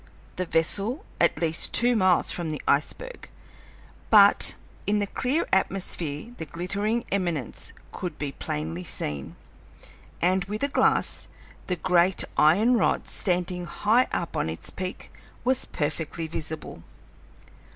The vessel was at least two miles from the iceberg, but in the clear atmosphere the glittering eminence could be plainly seen, and, with a glass, the great iron rod standing high up on its peak was perfectly visible.